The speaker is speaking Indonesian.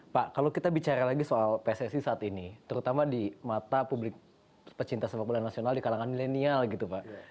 pak kalau kita bicara lagi soal pssi saat ini terutama di mata publik pecinta sepak bola nasional di kalangan milenial gitu pak